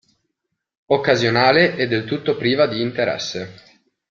Occasionale e del tutto priva di interesse.